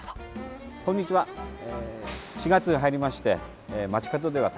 こんにちは。